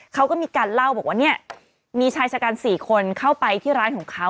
เขาก็มีการเล่าบอกว่าเนี่ยมีชายชะกัน๔คนเข้าไปที่ร้านของเขา